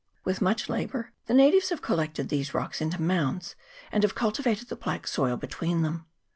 With much labour the natives have collected these rocks into mounds, and have cultivated the black soil between them.